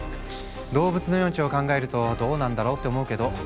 動物の命を考えるとどうなんだろうって思うけど。